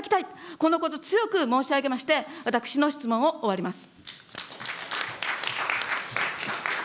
このこと強く申し上げまして、私の質問を終わります。